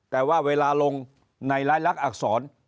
แต่ว่าเวลาลงในรายลักษณอักษร